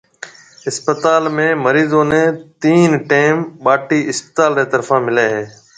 اسپتال ۾ مريضون نيَ تين ٽيئم ٻاٽِي اسپتال رِي طرفون مليَ ھيََََ